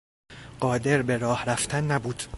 قادر به راه رفتن نبود